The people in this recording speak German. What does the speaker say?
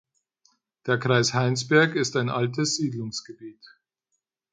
Der Kreis Heinsberg ist ein altes Siedlungsgebiet.